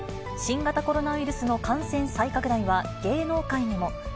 新型コロナウイルスの感染再拡大は、芸能界にも。